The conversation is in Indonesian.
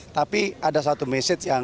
tapi ada satu hal yang saya ingin mengatakan